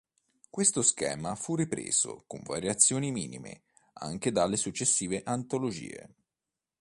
Questo schema fu ripreso, con variazioni minime, anche dalle successive antologie.